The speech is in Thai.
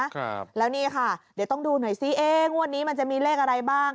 ครับแล้วนี่ค่ะเดี๋ยวต้องดูหน่อยซิเอ๊งวดนี้มันจะมีเลขอะไรบ้าง